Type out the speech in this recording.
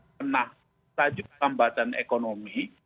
mencapai rupa pelambatan ekonomi